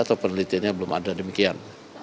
atau penelitiannya belum ada demikian